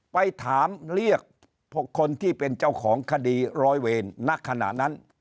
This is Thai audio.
ไปถามเรียกคนที่เป็นเจ้าของคดีร้อยเวรณขณะนั้น